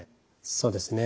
そうですね。